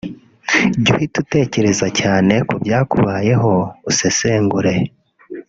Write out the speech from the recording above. Jya uhite utekereza cyane ku byakubayeho usesengure